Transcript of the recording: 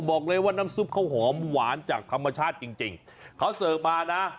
บอกเลยว่าน้ำซุปเขาหอมหวานจากธรรมชาติจริงจริงเขาเสิร์ฟมานะ